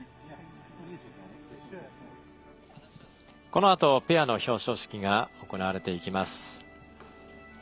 このあと、ペアの表彰式が行われていきます。